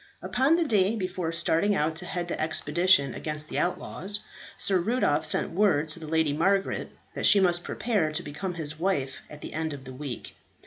Upon the day before starting out to head the expedition against the outlaws, Sir Rudolph sent word to the Lady Margaret that she must prepare to become his wife at the end of the week.